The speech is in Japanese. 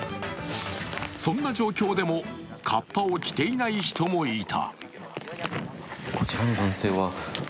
そんな状況でもカッパを着ていない人もいた。